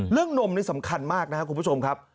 นมนี่สำคัญมากนะครับคุณผู้ชมครับ